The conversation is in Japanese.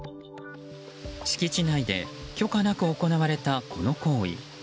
敷地内で許可なく行われたこの行為。